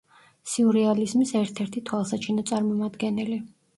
სიურეალიზმის ერთ-ერთი თვალსაჩინო წარმომადგენელი.